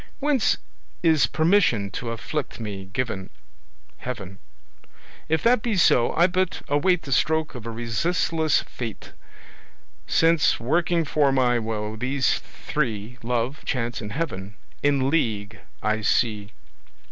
Whence is permission to afflict me given? Heaven. If that be so, I but await The stroke of a resistless fate, Since, working for my woe, these three, Love, Chance and Heaven, in league I see.